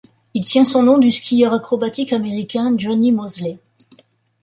Il tient son nom du skieur acrobatique américain Jonny Moseley.